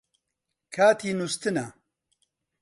کاتی نووستنە